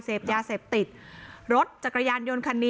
เสพยาเสพติดรถจักรยานยนต์คันนี้